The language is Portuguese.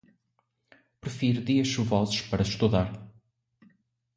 Prefiro dias chuvosos para estudar.